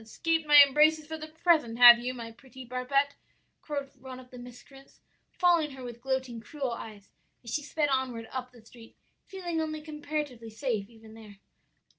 escaped my embraces for the present, have you, my pretty barbet?' cried one of the miscreants, following her with gloating, cruel eyes as she sped onward up the street, feeling only comparatively safe even there.